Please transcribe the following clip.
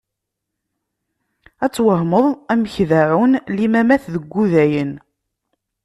Ad twehmeḍ amek deɛɛun limamat deg Udayen.